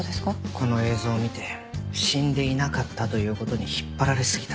この映像を見て死んでいなかったという事に引っ張られすぎた。